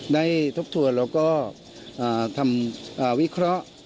ทบทวนแล้วก็ทำวิเคราะห์